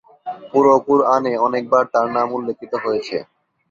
পুরো কুরআনে অনেকবার তার নাম উল্লেখিত হয়েছে।